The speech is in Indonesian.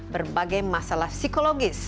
berbagai masalah psikologis